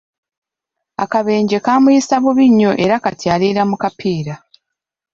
Akabenje kaamuyisa bubi nnyo era kati aliira mu kapiira.